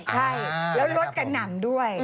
ใช่แล้วรถกระหน่ำด้วย